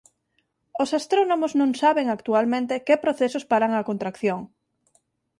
Os astrónomos non saben actualmente que procesos paran a contracción.